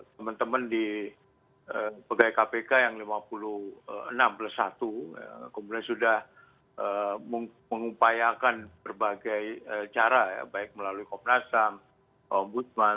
teman teman di pegawai kpk yang lima puluh enam plus satu kemudian sudah mengupayakan berbagai cara ya baik melalui komnasam ombudsman